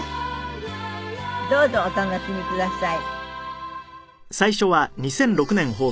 どうぞお楽しみください。